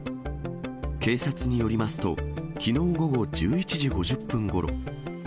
警察によりますと、きのう午後１１時５０分ごろ。